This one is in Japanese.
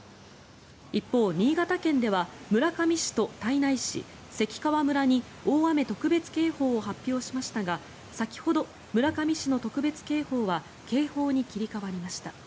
一方、新潟県では村上市と胎内市、関川村に大雨特別警報を発表しましたが先ほど、村上市の特別警報は警報に切り替わりました。